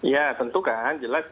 ya tentu kan jelas